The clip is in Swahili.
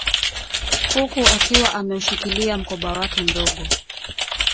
Huku akiwa ameushikilia mkoba wake mdogo